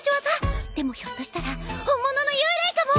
でもひょっとしたら本物の幽霊かも！